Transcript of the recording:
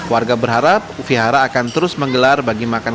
warga berharap wihara akan terus menggelar bagi makan